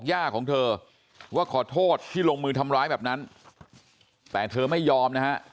ย่าของเธอว่าขอโทษที่ลงมือทำร้ายแบบนั้นแต่เธอไม่ยอมนะฮะ